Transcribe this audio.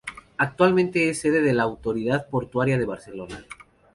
Actualmente es sede de la Autoridad Portuaria de Barcelona.